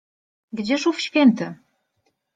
Gdzież ów święty?